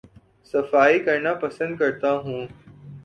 صفائی کرنا پسند کرتا ہوں